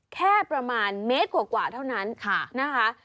แค่ประมาณเมตรกว่าเท่านั้นนะคะ